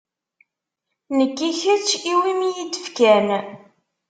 Nekk i kečč i wumi iyi-d-fkan.